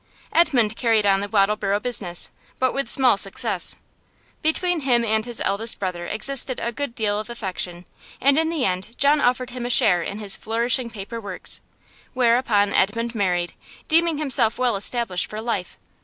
Edmund carried on the Wattleborough business, but with small success. Between him and his eldest brother existed a good deal of affection, and in the end John offered him a share in his flourishing paper works; whereupon Edmund married, deeming himself well established for life.